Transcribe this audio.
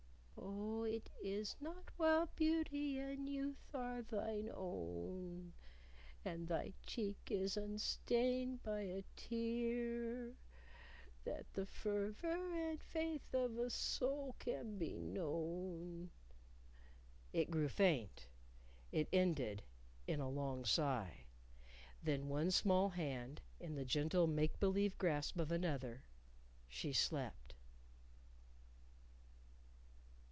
"Oh, it is not while beauty and youth are thine o o own, And thy cheek is unstained by a tear, That the fervor and faith of a soul can be kno o own " It grew faint. It ended in a long sigh. Then one small hand in the gentle make believe grasp of another, she slept.